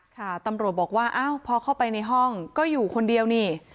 ค่ะตำรวจบอกว่าอ้าวพอเข้าไปในห้องก็อยู่คนเดียวนี่